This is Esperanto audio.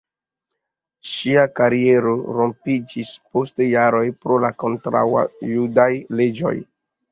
Ŝia kariero rompiĝis post jaroj pro la kontraŭjudaj leĝoj.